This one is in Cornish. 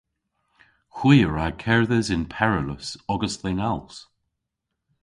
Hwi a wra kerdhes yn peryllus ogas dhe'n als.